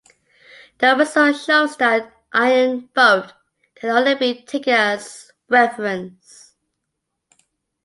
The result shows that "iron vote" can only be taken as reference.